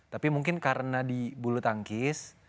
tapi mungkin karena di bulu tangkis